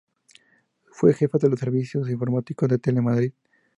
Fue jefa de los servicios informativos de Telemadrid.